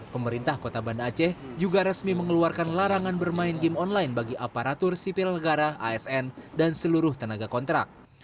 pemerintah kota banda aceh juga resmi mengeluarkan larangan bermain game online bagi aparatur sipil negara asn dan seluruh tenaga kontrak